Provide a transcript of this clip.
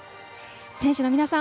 選手の皆さん